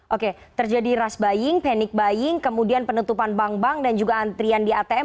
oke terjadi rush buying panic buying kemudian penutupan bank bank dan juga antrian di atm